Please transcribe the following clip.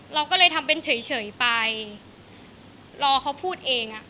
เราก็เลยทำเป็นเฉยไปรอเขาพูดเองอ่ะ